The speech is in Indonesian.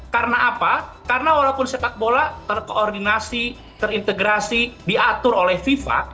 karena apa karena walaupun sepak bola terkoordinasi terintegrasi diatur oleh fifa